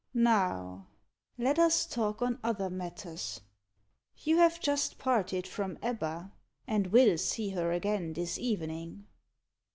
Now let us talk on other matters. You have just parted from Ebba, and will see her again this evening."